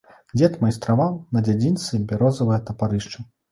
Дзед майстраваў на дзядзінцы бярозавае тапарышча.